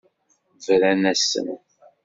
Bran-asen.